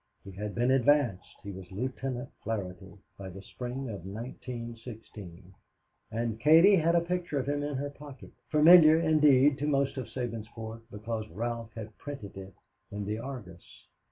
He had been advanced, he was Lieutenant Flaherty by the spring of 1916, and Katie had a picture of him in her pocket, familiar, indeed, to most of Sabinsport because Ralph had printed it in the Argus.